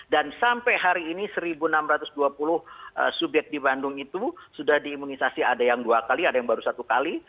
dan sampai hari ini seribu enam ratus dua puluh subyek di bandung itu sudah diimunisasi ada yang dua kali ada yang baru satu kali